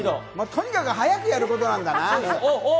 とにかく速くやることなんだな。